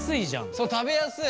そう食べやすい。